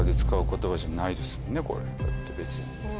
これだって別に。